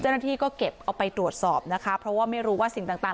เจ้าหน้าที่ก็เก็บเอาไปตรวจสอบนะคะเพราะว่าไม่รู้ว่าสิ่งต่าง